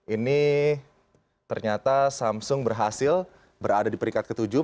ini ternyata samsung berhasil berada di peringkat ketujuh